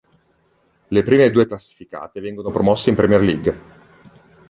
Le prime due classificate vengono promosse in Premier League.